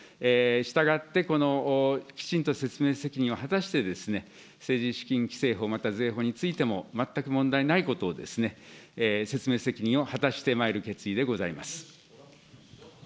したがって、きちんと説明責任を果たして、政治資金規正法、また税法についても、全く問題ないことを説明責任を果たしてまいる決意でございます。